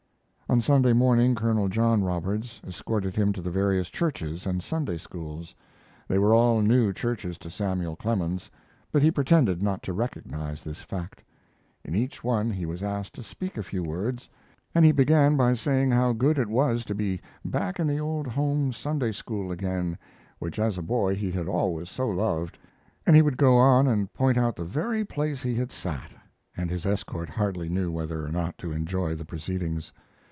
On Sunday morning Col. John Robards escorted him to the various churches and Sunday schools. They were all new churches to Samuel Clemens, but he pretended not to recognize this fact. In each one he was asked to speak a few words, and he began by saying how good it was to be back in the old home Sunday school again, which as a boy he had always so loved, and he would go on and point out the very place he had sat, and his escort hardly knew whether or not to enjoy the proceedings.